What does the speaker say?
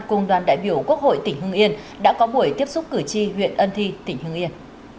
cùng đoàn đại biểu quốc hội tỉnh hưng yên đã có buổi tiếp xúc cử tri huyện ân thi tỉnh hương yên